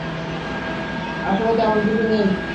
আসলে তেমন কিছু নেই।